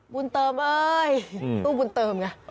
บุญเติมเอ้ยตู้บุญเติมไง